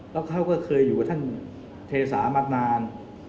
แล้วเขาก็เคยอยู่กับท่านเทสามานาน